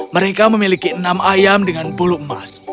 mereka memiliki enam ayam dengan bulu emas